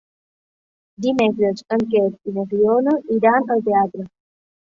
Dimecres en Quer i na Fiona iran al teatre.